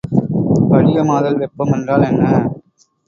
படிகமாதல் வெப்பம் என்றால் என்ன?